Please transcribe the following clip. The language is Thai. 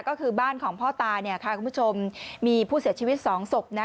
ก็คือบ้านของพ่อตาเนี่ยค่ะคุณผู้ชมมีผู้เสียชีวิตสองศพนะ